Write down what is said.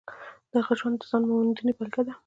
د هغه ژوند د ځان موندنې بېلګه ده.